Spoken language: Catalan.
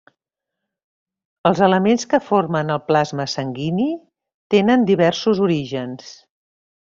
Els elements que formen el plasma sanguini tenen diversos orígens.